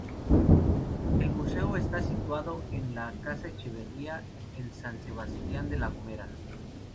El museo está situado en la Casa Echevarría, en San Sebastián de La Gomera.